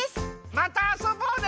またあそぼうね！